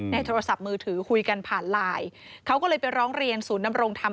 โทรศัพท์มือถือคุยกันผ่านไลน์เขาก็เลยไปร้องเรียนศูนย์นำรงธรรม